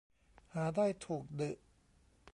หาได้ถูกดึ